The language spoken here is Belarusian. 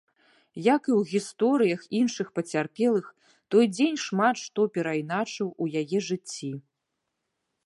Як і ў гісторыях іншых пацярпелых, той дзень шмат што перайначыў у яе жыцці.